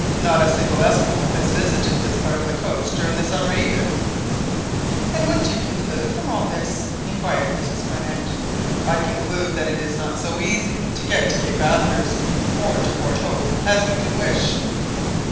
Not a single Esquimaux has visited this part of the coast during the summer either"— "And what do you conclude from all this?" inquired Mrs Barnett. "I conclude that it is not so easy to get to Cape Bathurst or to Fort Hope as we could wish."